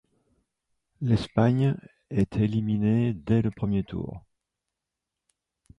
L'Espagne est éliminée dès le premier tour.